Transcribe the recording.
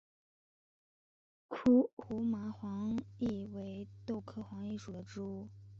胡麻黄耆为豆科黄芪属的植物。